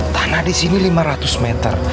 tanah disini lima ratus meter